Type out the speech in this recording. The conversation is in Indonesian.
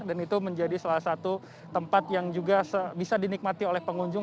dan itu menjadi salah satu tempat yang juga bisa dinikmati oleh pengunjung